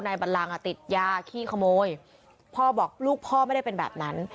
บันลังอ่ะติดยาขี้ขโมยพ่อบอกลูกพ่อไม่ได้เป็นแบบนั้น